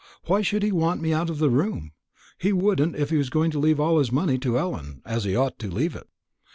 "Why should he want me out of the room? He wouldn't, if he was going to leave all his money to Ellen, as he ought to leave it.